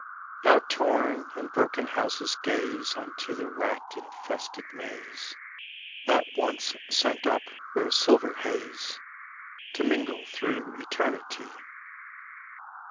Now torn and broken houses gaze On to the rat infested maze That once sent up rose silver haze To mingle through eternity.